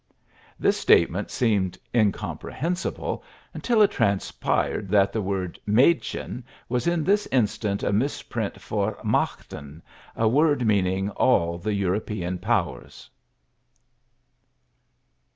This statement seemed incomprehensible until it transpired that the word "madchen" was in this instance a misprint for "machten," a word meaning all the European powers.